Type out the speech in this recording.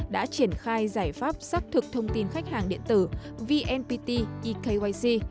đã triển khai giải pháp xác thực thông tin khách hàng điện tử vnpt ekyc